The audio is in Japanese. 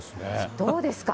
どうですか。